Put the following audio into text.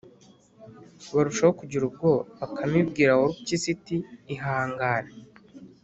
barushaho kugira ubwoba. Bakame ibwira Warupyisi iti: “Ihangane